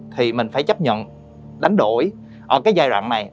thì mình phải chấp nhận đánh đổi ở cái giai đoạn này